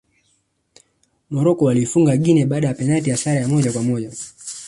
morocco waliifuga guinea kwa penati baada ya sare ya moja kwa moja